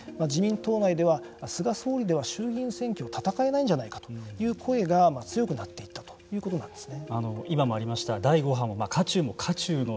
ですので、衆議院選挙の任期満了が刻一刻と迫る中で自民党内では菅総理では衆議院選挙を戦えないんじゃないかという声が強くなっていったということなんですね。